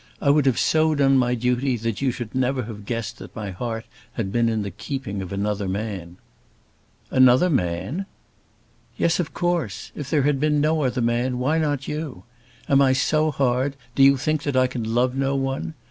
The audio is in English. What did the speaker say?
I would have so done my duty that you should never have guessed that my heart had been in the keeping of another man." "Another man!" "Yes; of course. If there had been no other man, why not you? Am I so hard, do you think that I can love no one?